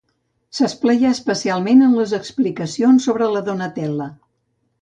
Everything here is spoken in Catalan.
S'esplaià especialment en les explicacions sobre la Donatella.